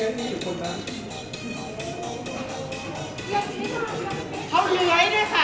มันเป็นสิ่งที่เราไม่รู้สึกว่า